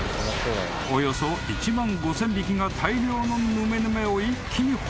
［およそ１万５，０００匹が大量のぬめぬめを一気に放出］